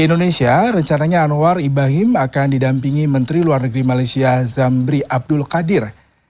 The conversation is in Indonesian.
indonesia rencananya anwar ibrahim akan didampingi menteri luar negeri malaysia zamri abdul qadir